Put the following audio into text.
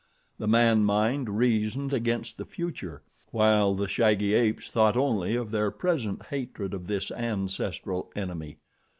The man mind reasoned against the future, while the shaggy apes thought only of their present hatred of this ancestral enemy.